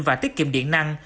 và tiết kiệm điện năng